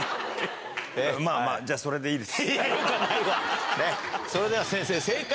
まあまあ、じゃあそれでいいです。